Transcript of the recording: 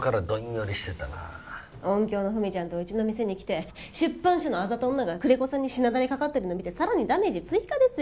音響の富美ちゃんとうちの店に来て出版社のあざと女が久連木さんにしなだれかかってるの見てさらにダメージ追加ですよ。